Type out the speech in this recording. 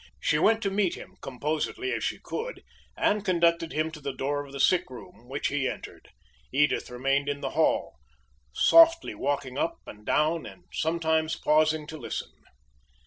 She went to meet him, composedly as she could, and conducted him to the door of the sick room, which he entered. Edith remained in the hall, softly walking up and down, and sometimes pausing to listen.